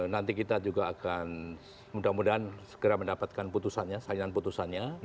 nanti kita juga akan mudah mudahan segera mendapatkan putusannya salinan putusannya